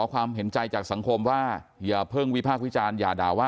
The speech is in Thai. ความเห็นใจจากสังคมว่าอย่าเพิ่งวิพากษ์วิจารณ์อย่าด่าว่า